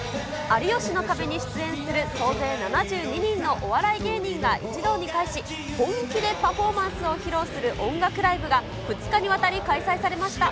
有吉の壁に出演する総勢７２人のお笑い芸人が一堂に会し、本気でパフォーマンスを披露する音楽ライブが、２日にわたり開催されました。